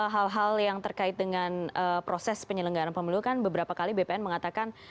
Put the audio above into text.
hal hal yang terkait dengan proses penyelenggaraan pemilu kan beberapa kali bpn mengatakan